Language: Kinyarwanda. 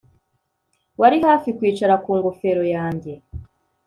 Wari hafi kwicara ku ngofero yanjye